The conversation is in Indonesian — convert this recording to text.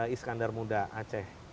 iskandar muda aceh